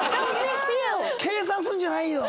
計算するんじゃないよ！